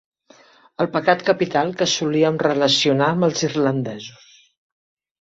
El pecat capital que solíem relacionar amb els irlandesos.